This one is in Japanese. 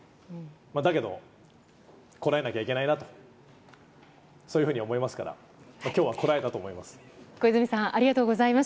だけど、こらえなきゃいけないなと、そういうふうに思いますから、きょうはこらえたと思います。